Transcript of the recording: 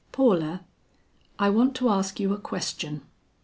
"Paula, I want to ask you a question.